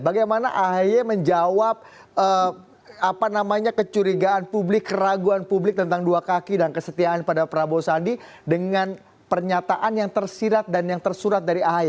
bagaimana ahy menjawab kecurigaan publik keraguan publik tentang dua kaki dan kesetiaan pada prabowo sandi dengan pernyataan yang tersirat dan yang tersurat dari ahy